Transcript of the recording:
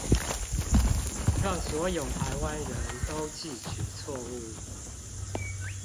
讓所有臺灣人都記取錯誤